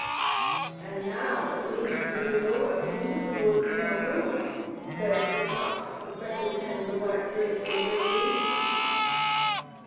" And now, at least, you will go out into the woods no more," says the cock, the speckled hen, the black drake, and the grey goose.